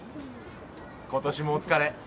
今年もお疲れ。